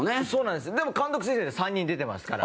でも監督推薦で３人出てますから。